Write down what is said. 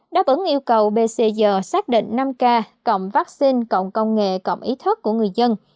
đáp ứng yêu cầu bcg xác định năm k cộng vaccine cộng công nghệ cộng ý thức của người dân